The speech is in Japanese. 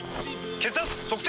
血圧測定！